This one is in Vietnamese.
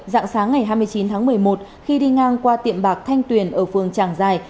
dạng sáng ngày hai mươi chín tháng một mươi một khi đi ngang qua tiệm bạc thanh tuyền ở phường tràng giài